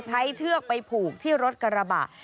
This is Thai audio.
เชือกไปผูกที่รถกระบะ